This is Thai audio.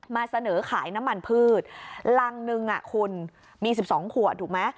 มาเสนอขายน้ำมันพืชรังนึงคุณมี๑๒ขวดถูกไหม